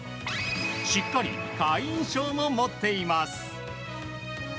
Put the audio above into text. しっかり会員証も持っています。